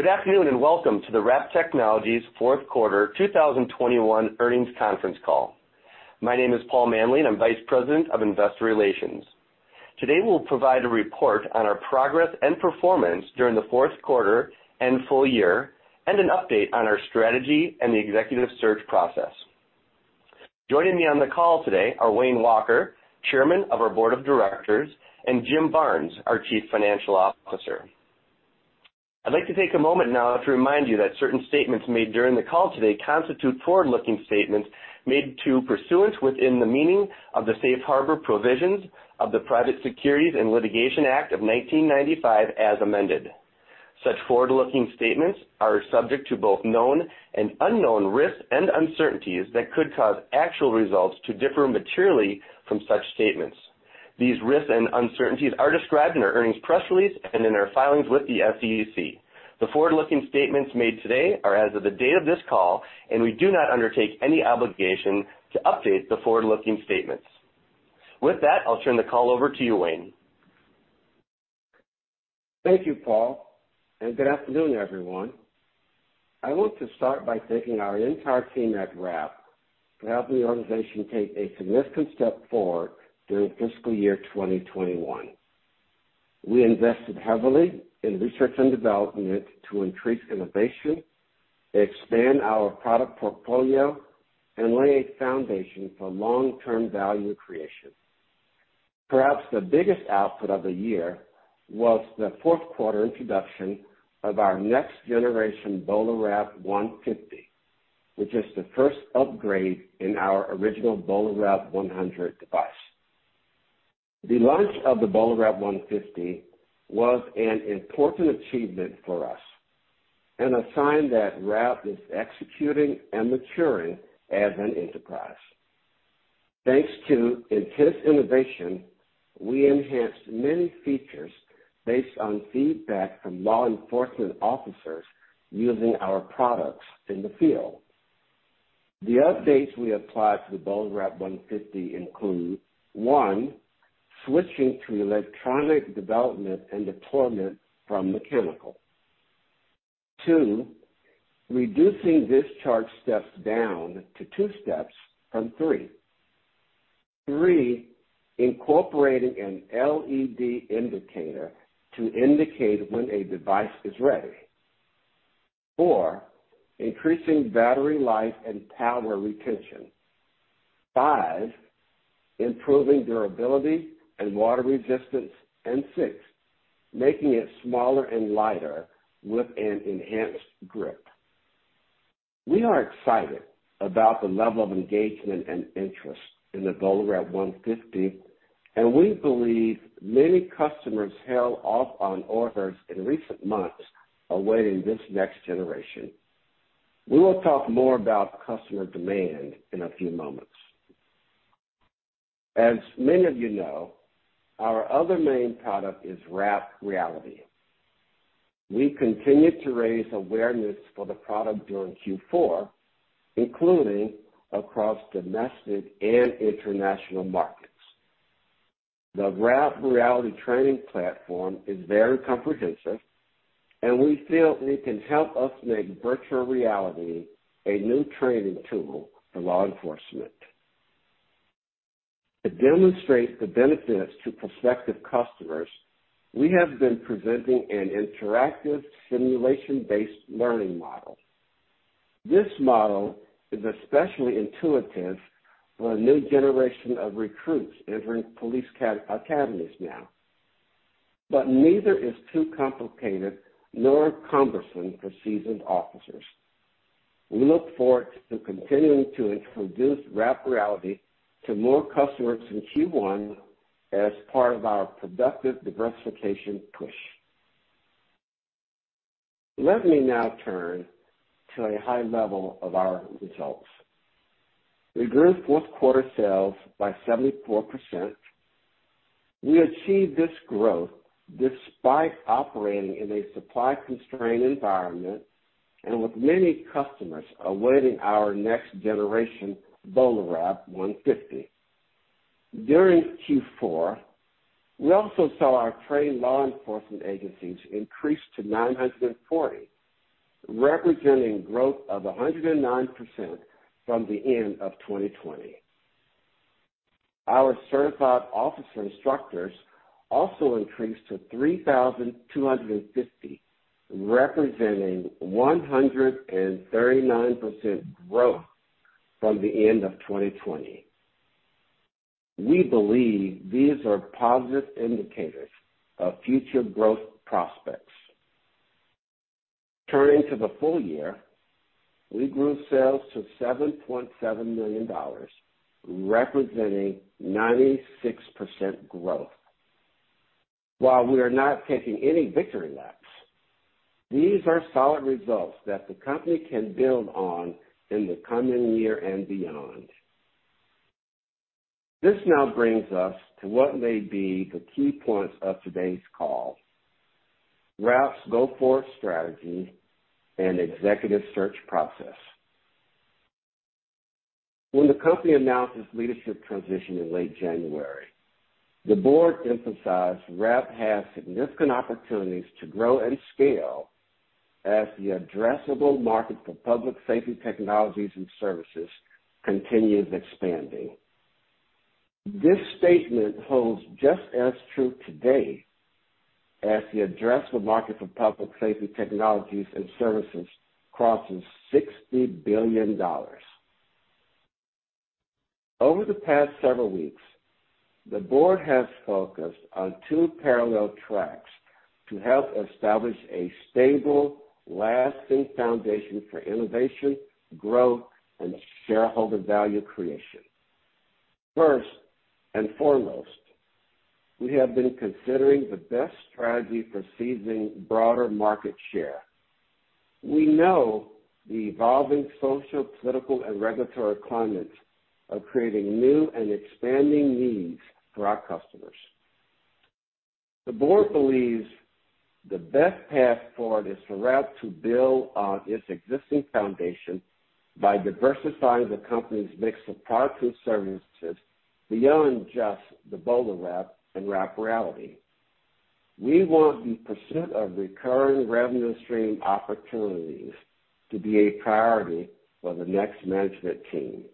Good afternoon, and welcome to the Wrap Technologies fourth quarter 2021 earnings conference call. My name is Paul Manley, and I'm Vice President of Investor Relations. Today, we'll provide a report on our progress and performance during the fourth quarter and full year, and an update on our strategy and the executive search process. Joining me on the call today are Wayne Walker, Chairman of our Board of Directors, and Jim Barnes, our Chief Financial Officer. I'd like to take a moment now to remind you that certain statements made during the call today constitute forward-looking statements within the meaning of the safe harbor provisions of the Private Securities Litigation Reform Act of 1995, as amended. Such forward-looking statements are subject to both known and unknown risks and uncertainties that could cause actual results to differ materially from such statements. These risks and uncertainties are described in our earnings press release and in our filings with the SEC. The forward-looking statements made today are as of the date of this call, and we do not undertake any obligation to update the forward-looking statements. With that, I'll turn the call over to you, Wayne. Thank you, Paul, and good afternoon, everyone. I want to start by thanking our entire team at Wrap for helping the organization take a significant step forward during fiscal year 2021. We invested heavily in research and development to increase innovation, expand our product portfolio, and lay a foundation for long-term value creation. Perhaps the biggest output of the year was the fourth quarter introduction of our next generation BolaWrap 150, which is the first upgrade in our original BolaWrap 100 device. The launch of the BolaWrap 150 was an important achievement for us and a sign that Wrap is executing and maturing as an enterprise. Thanks to intense innovation, we enhanced many features based on feedback from law enforcement officers using our products in the field. The updates we applied to the BolaWrap 150 include, one, switching to electronic development and deployment from mechanical. two, reducing discharge steps down to two steps from three. three, incorporating an LED indicator to indicate when a device is ready. four, increasing battery life and power retention. five, improving durability and water resistance. And six, making it smaller and lighter with an enhanced grip. We are excited about the level of engagement and interest in the BolaWrap 150, and we believe many customers held off on orders in recent months awaiting this next generation. We will talk more about customer demand in a few moments. As many of you know, our other main product is Wrap Reality. We continued to raise awareness for the product during Q4, including across domestic and international markets. The Wrap Reality training platform is very comprehensive, and we feel it can help us make virtual reality a new training tool for law enforcement. To demonstrate the benefits to prospective customers, we have been presenting an interactive simulation-based learning model. This model is especially intuitive for a new generation of recruits entering police academies now. Neither is too complicated nor cumbersome for seasoned officers. We look forward to continuing to introduce Wrap Reality to more customers in Q1 as part of our productive diversification push. Let me now turn to a high level of our results. We grew fourth quarter sales by 74%. We achieved this growth despite operating in a supply-constrained environment and with many customers awaiting our next generation BolaWrap 150. During Q4, we also saw our trained law enforcement agencies increase to 940, representing growth of 109% from the end of 2020. Our certified officer instructors also increased to 3,250, representing 139% growth from the end of 2020. We believe these are positive indicators of future growth prospects. Turning to the full year, we grew sales to $7.7 million, representing 96% growth. While we are not taking any victory laps, these are solid results that the company can build on in the coming year and beyond. This now brings us to what may be the key points of today's call, Wrap's go-forward strategy and executive search process. When the company announced its leadership transition in late January, the board emphasized Wrap has significant opportunities to grow and scale as the addressable market for public safety technologies and services continues expanding. This statement holds just as true today as the addressable market for public safety technologies and services crosses $60 billion. Over the past several weeks, the board has focused on two parallel tracks to help establish a stable, lasting foundation for innovation, growth, and shareholder value creation. First and foremost, we have been considering the best strategy for seizing broader market share. We know the evolving social, political, and regulatory climates are creating new and expanding needs for our customers. The board believes the best path forward is for Wrap to build on its existing foundation by diversifying the company's mix of products and services beyond just the BolaWrap and Wrap Reality. We want the pursuit of recurring revenue stream opportunities to be a priority for the next management team.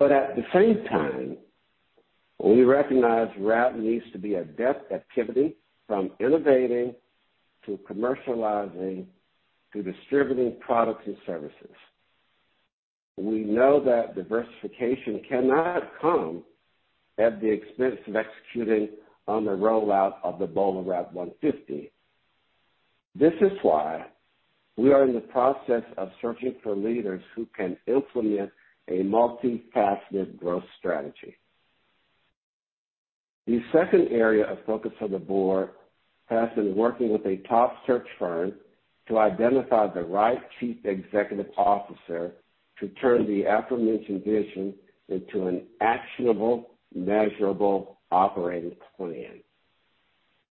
At the same time, we recognize Wrap needs to be adept at activity from innovating to commercializing to distributing products and services. We know that diversification cannot come at the expense of executing on the rollout of the BolaWrap 150. This is why we are in the process of searching for leaders who can implement a multifaceted growth strategy. The second area of focus for the board has been working with a top search firm to identify the right Chief Executive Officer to turn the aforementioned vision into an actionable, measurable operating plan.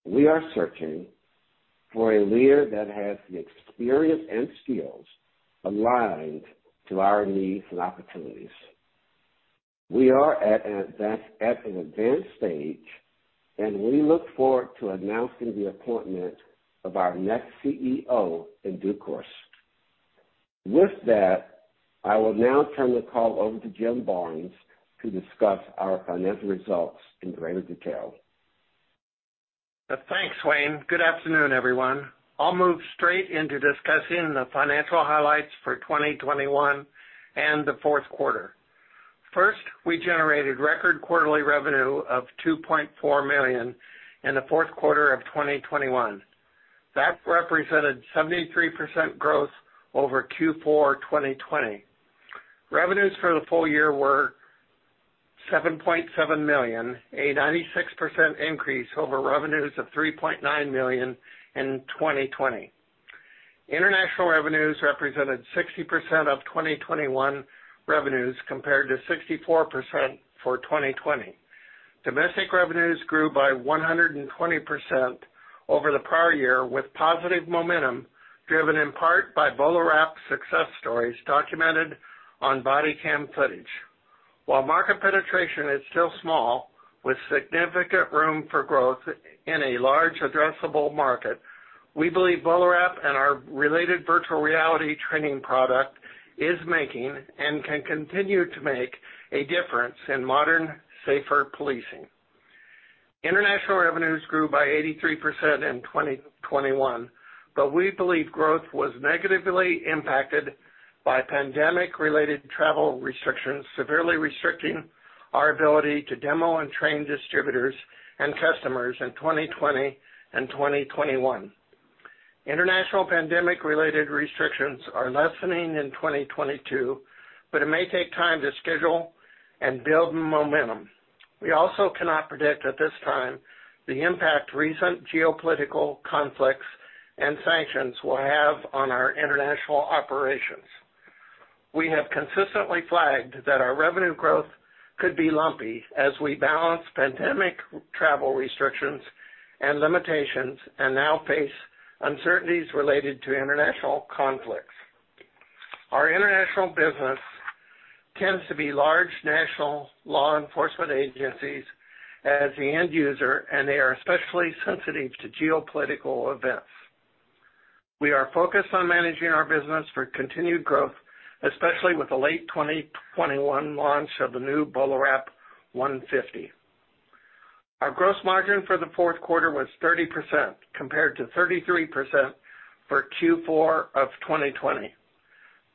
We are searching for a leader that has the experience and skills aligned to our needs and opportunities. We are at an advanced stage, and we look forward to announcing the appointment of our next CEO in due course. With that, I will now turn the call over to Jim Barnes to discuss our financial results in greater detail. Thanks, Wayne. Good afternoon, everyone. I'll move straight into discussing the financial highlights for 2021 and the fourth quarter. First, we generated record quarterly revenue of $2.4 million in the fourth quarter of 2021. That represented 73% growth over Q4 2020. Revenues for the full year were $7.7 million, a 96% increase over revenues of $3.9 million in 2020. International revenues represented 60% of 2021 revenues, compared to 64% for 2020. Domestic revenues grew by 120% over the prior year, with positive momentum driven in part by BolaWrap success stories documented on body cam footage. While market penetration is still small, with significant room for growth in a large addressable market, we believe BolaWrap and our related virtual reality training product is making, and can continue to make, a difference in modern, safer policing. International revenues grew by 83% in 2021, but we believe growth was negatively impacted by pandemic-related travel restrictions, severely restricting our ability to demo and train distributors and customers in 2020 and 2021. International pandemic-related restrictions are lessening in 2022, but it may take time to schedule and build momentum. We also cannot predict at this time the impact recent geopolitical conflicts and sanctions will have on our international operations. We have consistently flagged that our revenue growth could be lumpy as we balance pandemic travel restrictions and limitations, and now face uncertainties related to international conflicts. Our international business tends to be large national law enforcement agencies as the end user, and they are especially sensitive to geopolitical events. We are focused on managing our business for continued growth, especially with the late 2021 launch of the new BolaWrap 150. Our gross margin for the fourth quarter was 30%, compared to 33% for Q4 of 2020.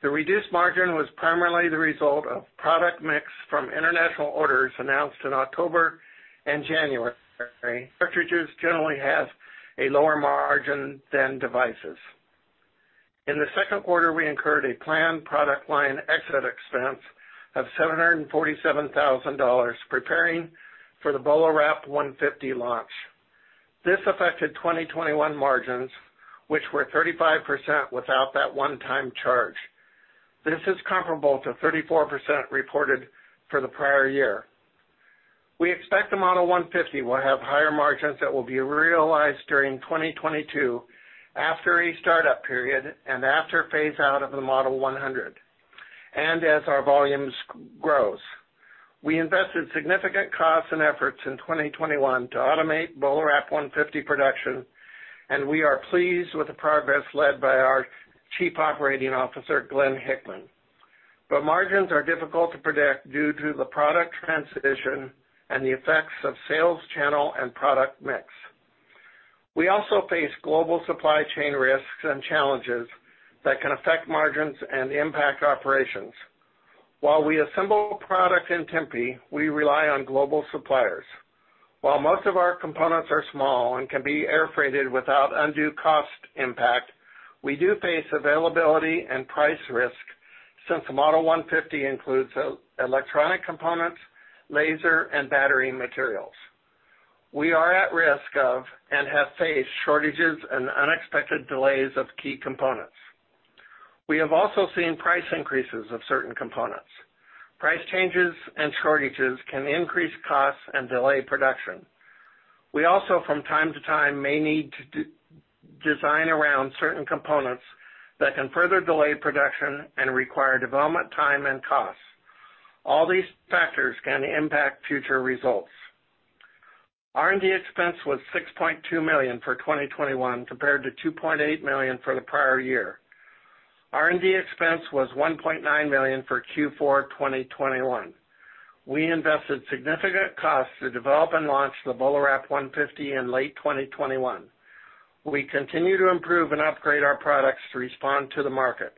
The reduced margin was primarily the result of product mix from international orders announced in October and January. Cartridges generally have a lower margin than devices. In the second quarter, we incurred a planned product line exit expense of $747,000 preparing for the BolaWrap 150 launch. This affected 2021 margins, which were 35% without that one-time charge. This is comparable to 34% reported for the prior year. We expect the Model 150 will have higher margins that will be realized during 2022 after a startup period and after phase-out of the Model 100, and as our volumes grows. We invested significant costs and efforts in 2021 to automate BolaWrap 150 production, and we are pleased with the progress led by our Chief Operating Officer, Glenn Hickman. Margins are difficult to predict due to the product transition and the effects of sales channel and product mix. We also face global supply chain risks and challenges that can affect margins and impact operations. While we assemble product in Tempe, we rely on global suppliers. While most of our components are small and can be air freighted without undue cost impact, we do face availability and price risk since the Model 150 includes electronic components, laser, and battery materials. We are at risk of, and have faced shortages and unexpected delays of key components. We have also seen price increases of certain components. Price changes and shortages can increase costs and delay production. We also, from time to time, may need to design around certain components that can further delay production and require development time and costs. All these factors can impact future results. R&D expense was $6.2 million for 2021 compared to $2.8 million for the prior year. R&D expense was $1.9 million for Q4 2021. We invested significant costs to develop and launch the BolaWrap 150 in late 2021. We continue to improve and upgrade our products to respond to the market.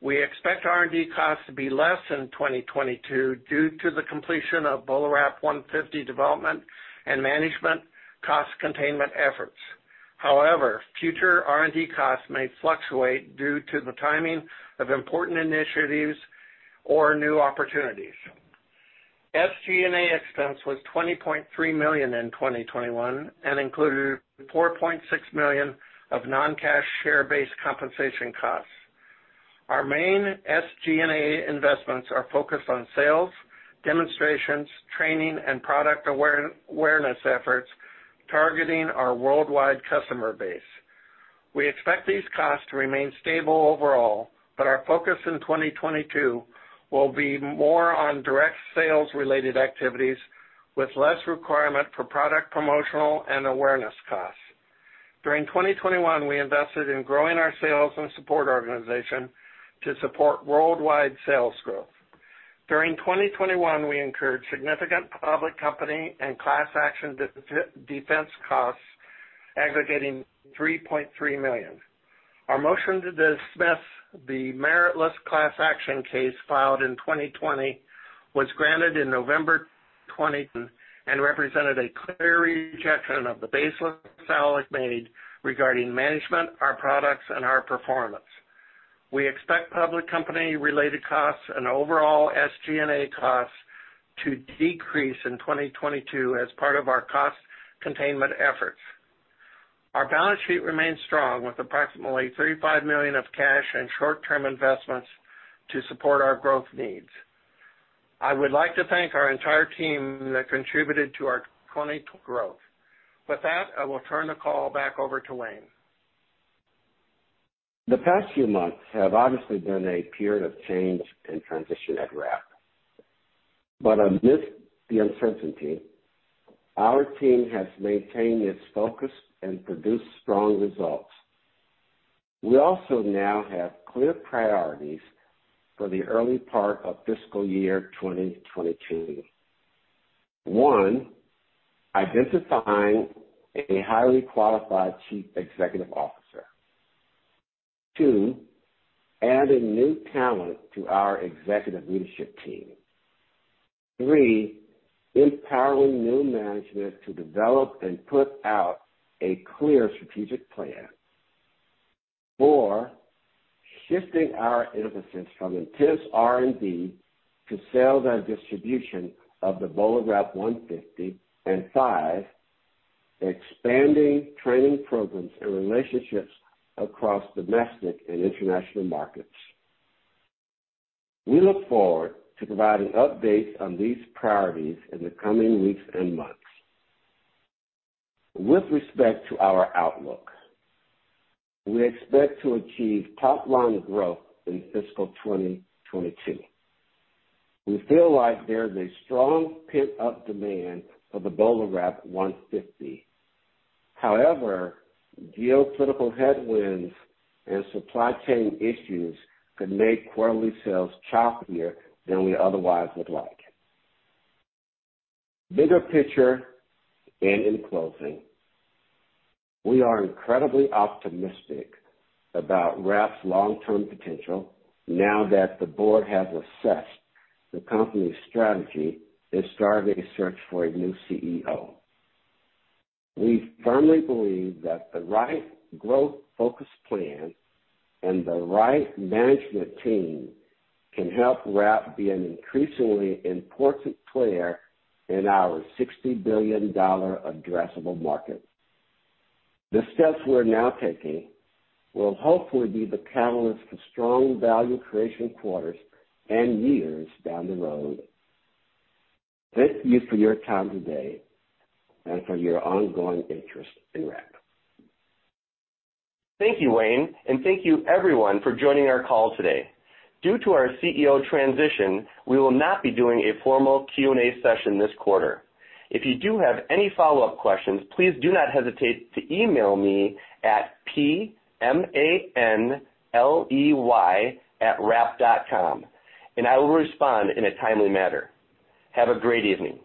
We expect R&D costs to be less in 2022 due to the completion of BolaWrap 150 development and management cost containment efforts. However, future R&D costs may fluctuate due to the timing of important initiatives or new opportunities. SG&A expense was $20.3 million in 2021 and included $4.6 million of non-cash share-based compensation costs. Our main SG&A investments are focused on sales, demonstrations, training, and product awareness efforts targeting our worldwide customer base. We expect these costs to remain stable overall, but our focus in 2022 will be more on direct sales-related activities with less requirement for product promotional and awareness costs. During 2021, we invested in growing our sales and support organization to support worldwide sales growth. During 2021, we incurred significant public company and class action defense costs aggregating $3.3 million. Our motion to dismiss the meritless class action case filed in 2020 was granted in November 2020 and represented a clear rejection of the baseless claims made regarding management, our products, and our performance. We expect public company-related costs and overall SG&A costs to decrease in 2022 as part of our cost containment efforts. Our balance sheet remains strong with approximately $35 million in cash and short-term investments to support our growth needs. I would like to thank our entire team that contributed to our 2022 growth. With that, I will turn the call back over to Wayne. The past few months have obviously been a period of change and transition at Wrap. Amidst the uncertainty, our team has maintained its focus and produced strong results. We also now have clear priorities for the early part of fiscal year 2022. one, identifying a highly qualified chief executive officer. two, adding new talent to our executive leadership team. three, empowering new management to develop and put out a clear strategic plan. four, shifting our emphasis from intense R&D to sales and distribution of the BolaWrap 150. five, expanding training programs and relationships across domestic and international markets. We look forward to providing updates on these priorities in the coming weeks and months. With respect to our outlook, we expect to achieve top-line growth in fiscal 2022. We feel like there's a strong pent-up demand for the BolaWrap 150. However, geopolitical headwinds and supply chain issues could make quarterly sales choppier than we otherwise would like. Bigger picture, and in closing, we are incredibly optimistic about Wrap's long-term potential now that the board has assessed the company's strategy and started a search for a new CEO. We firmly believe that the right growth-focused plan and the right management team can help Wrap be an increasingly important player in our $60 billion addressable market. The steps we're now taking will hopefully be the catalyst for strong value creation quarters and years down the road. Thank you for your time today and for your ongoing interest in Wrap. Thank you, Wayne, and thank you everyone for joining our call today. Due to our CEO transition, we will not be doing a formal Q&A session this quarter. If you do have any follow-up questions, please do not hesitate to email me at pmanley@wrap.com, and I will respond in a timely manner. Have a great evening.